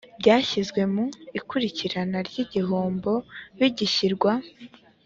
byashyizwe mu ikurikirana ry igihombo bigishyirwa